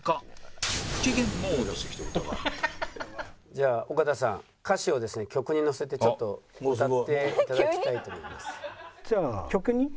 「じゃあ尾形さん歌詞をですね曲にのせてちょっと歌って頂きたいと思います」。